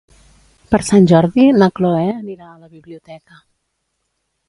Per Sant Jordi na Chloé anirà a la biblioteca.